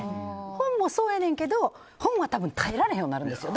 本もそうやねんけど本は耐えられへんようになるんですよ。